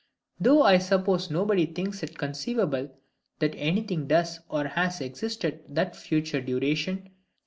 Though I suppose nobody thinks it conceivable that anything does or has existed in that future duration.